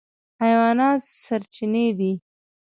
حیوانات سرچینې دي.